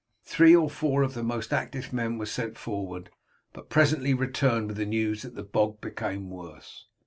Three or four of the most active men were sent forward, but presently returned with the news that the bog became worse.